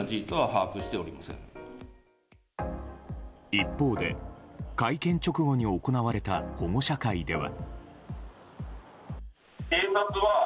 一方で、会見直後に行われた保護者会では。